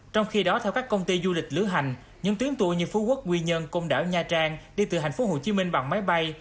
trong khi đó theo các công ty du lịch lưu hành những tuyến tuổi như phú quốc quy nhân công đảo nha trang đi từ thành phố hồ chí minh bằng máy bay